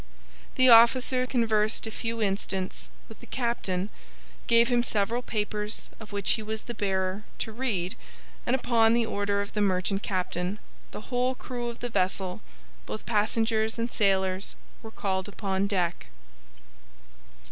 The officer conversed a few instants with the captain, gave him several papers, of which he was the bearer, to read, and upon the order of the merchant captain the whole crew of the vessel, both passengers and sailors, were called upon deck.